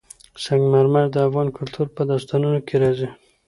سنگ مرمر د افغان کلتور په داستانونو کې راځي.